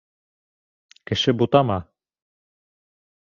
Кеше бутама!